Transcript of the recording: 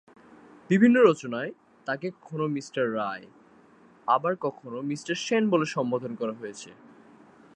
বিভিন্ন রচনায় তাকে কখনও মিঃ রায় আবার কখনও মিঃ সেন বলে সম্বোধন করা হয়েছে।